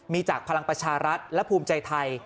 มีจากพลังประชารัฐและภูมิใจไทย